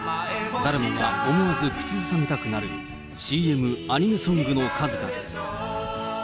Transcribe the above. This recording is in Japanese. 誰もが思わず口ずさみたくなる、ＣＭ、アニメソングの数々。